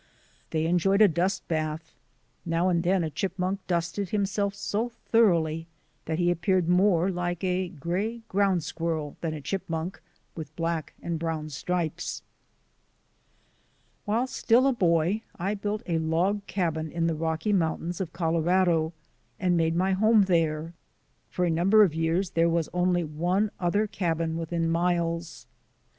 They enjoyed a dust bath. Now and then a chipmunk dusted himself so thoroughly /y ^ Photo bv Enos A. Mills Mount Copeland and Copeland Lake, Colorado LANDMARKS 145 that he appeared more like a gray ground squirrel than a chipmunk with black and brown stripes. While still a boy I built a log cabin in the Rocky Mountains of Colorado and made my home there. For a number of years there was only one other cabin within miles.